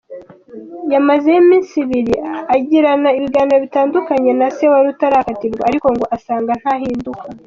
Yamazeyo iminsi ibiri, agirana ibiganiro bitandukanye na se wari utarakatirwa ariko ngo asanga ntahinduka.